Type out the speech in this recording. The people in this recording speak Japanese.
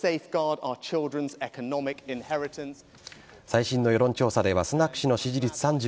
最新の世論調査ではスナク氏の支持率３４％